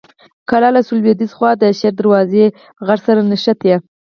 کلا له سویل لویديځې خوا د شیر دروازې غر سره نښتې.